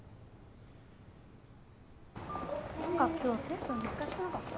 ・何か今日テスト難しくなかった？